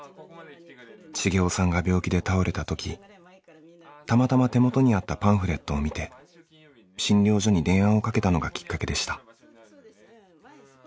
茂夫さんが病気で倒れたときたまたま手元にあったパンフレットを見て診療所に電話をかけたのがきっかけでした。